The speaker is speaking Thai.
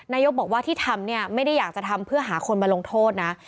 นายกบอกว่าที่ทำเนี่ยไม่ได้อยากจะทำเพื่อหาคนมาลงโทษนะ